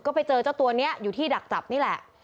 ก็ไปเจอเจ้าตัวนี้อยู่ที่ดักจับนี่แหละ